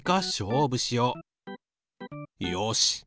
よし。